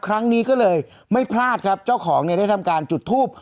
ครั้งนี้ก็เลยไม่พลาดครับเจ้าของเนี่ยได้ทำการจุดทูบ